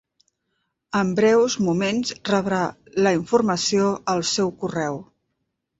En breus moments rebrà la informació al seu correu.